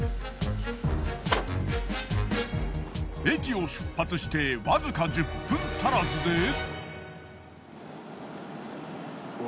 駅を出発してわずか１０分たらずで。